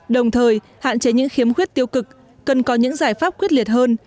đồng thời hạn chế những khiếm khuyết tiêu cực cần có những giải pháp quyết liệt hơn